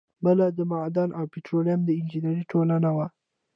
بله د معدن او پیټرولیم د انجینری ټولنه وه.